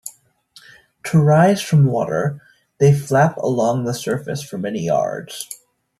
To rise from water, they flap along the surface for many yards.